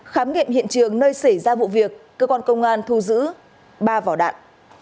khám nghiệm hiện trường nơi xảy ra vụ việc cơ quan công an thu giữ ba vỏ đạn